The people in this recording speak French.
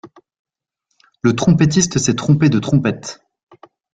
Le trompetiste s'est trompé de trompette.